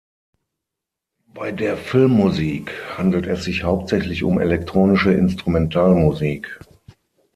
Bei der Filmmusik handelt es sich hauptsächlich um elektronische Instrumentalmusik.